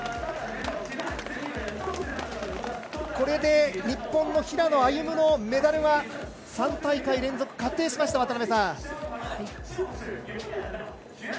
これで日本の平野歩夢のメダルは３大会連続、確定しました。